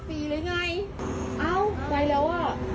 ปีหรือยังไงอ้าวไปแล้วอ่ะ